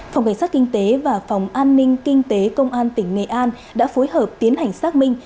phòng cảnh sát kinh tế và phòng an ninh kinh tế công an tỉnh nghệ an đã phối hợp tiến hành xác minh